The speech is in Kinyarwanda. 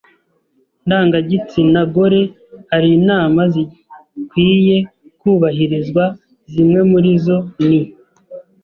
ndangagitsina gore hari inama zikwiye kubahirizwa Zimwe muri zo ni